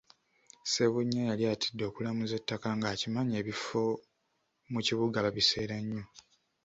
Ssebunya yali atidde okulamuza ettaka nga akimanyi ebifo mu kibuga babiseera nnyo.